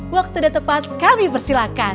waktu sudah tepat kami persilakan